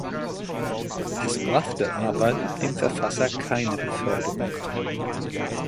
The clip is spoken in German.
Es brachte aber dem Verfasser keine Beförderung ein.